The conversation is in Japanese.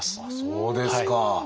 そうですか！